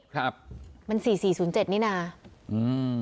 ครับมันสี่สี่ศูนย์เจ็ดนี่น่ะอืม